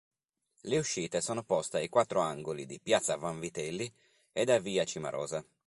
Le uscite sono poste ai quattro angoli di Piazza Vanvitelli ed a Via Cimarosa.